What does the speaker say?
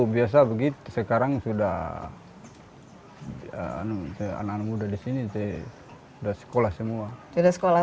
biasa begitu sekarang sudah hai anu anu muda disini teh udah sekolah semua sudah sekolah